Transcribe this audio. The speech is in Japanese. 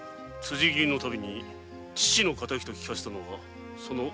「辻斬り」のたびに「父の敵」と聞かせたのはその布石。